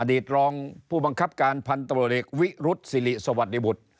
อนดีตรองผู้บังคับการพันธบลิกวิรุฑสิริสวัสดิบุตร